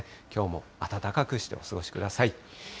きょうも暖かくしてお過ごしください。